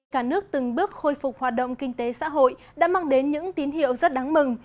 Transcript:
cả nước từng bước khôi phục hoạt động kinh tế xã hội đã mang đến những tín hiệu rất đáng mừng